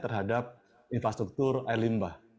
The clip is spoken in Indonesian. terhadap infrastruktur air limbah